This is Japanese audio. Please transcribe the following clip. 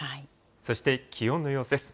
そして気温の様子です。